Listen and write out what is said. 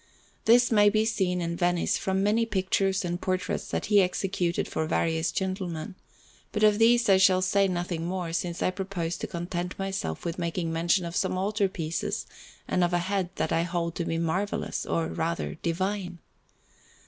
This may be seen in Venice from many pictures and portraits that he executed for various gentlemen; but of these I shall say nothing more, since I propose to content myself with making mention of some altar pieces and of a head that I hold to be marvellous, or rather, divine.